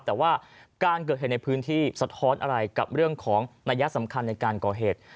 แต่ว่าการเกิดเหตุในพื้นที่สะท้อนอะไรกับเรื่องของนัยสำคัญในการก่อเหตุ